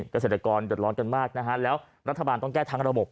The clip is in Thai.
เกษตรกรหยดร้อนกันมากแล้วรัฐบาลต้องแก้ทางระบบ